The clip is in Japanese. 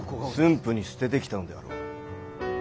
府に捨ててきたのであろう。